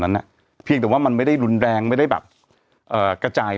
นั้นอ่ะเพียงแต่ว่ามันไม่ได้รุนแรงไม่ได้แบบเอ่อกระจาย